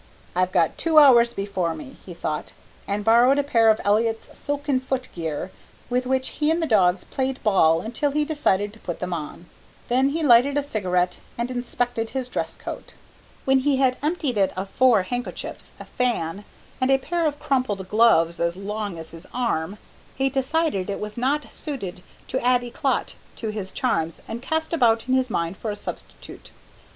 "I've got two hours before me," he thought, and borrowed a pair of Elliott's silken foot gear, with which he and the dogs played ball until he decided to put them on. Then he lighted a cigarette and inspected his dress coat. When he had emptied it of four handkerchiefs, a fan, and a pair of crumpled gloves as long as his arm, he decided it was not suited to add éclat to his charms and cast about in his mind for a substitute.